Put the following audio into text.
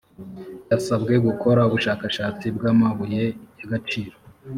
yasabwe gukora ubushakashatsi bw’amabuye y’agaciro